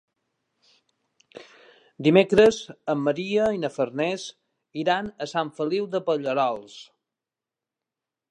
Dimecres en Maria i na Farners iran a Sant Feliu de Pallerols.